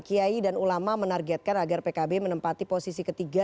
kiai dan ulama menargetkan agar pkb menempati posisi ketiga